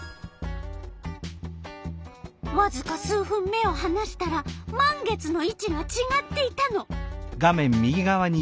わずか数分目をはなしたら満月の位置がちがっていたの。